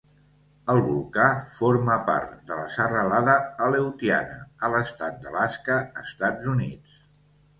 El volcà forma part de la serralada Aleutiana, a l'estat d'Alaska, Estats Units.